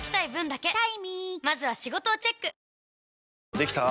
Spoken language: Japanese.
できたぁ。